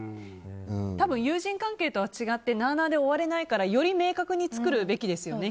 多分、友人関係とは違ってなあなあで終われないからより明確に作るべきですよね。